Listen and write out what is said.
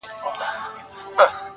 اوس هره شپه سپينه سپوږمۍ.